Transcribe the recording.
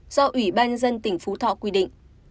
do ủy ban nhân tỉnh phú thọ quy định